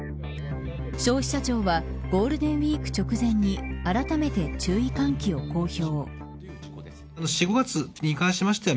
消費者庁はゴールデンウイーク直前にあらためて注意喚起を公表。